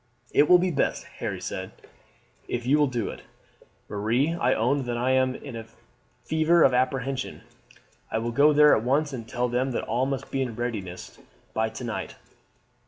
"It will be best," Harry said, "if you will do it, Marie. I own that I am in a fever of apprehension. I will go there at once to tell them that all must be in readiness by to night.